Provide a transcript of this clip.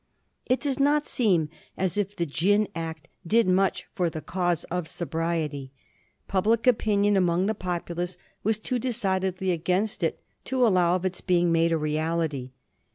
It does not seem as if the Gin Act did much for the cause of sobriety. Public opinion among the populace was too decidedly against it to allow of its being made a reality.